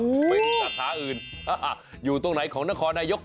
ไม่มีสาขาอื่นอยู่ตรงไหนของนครนายก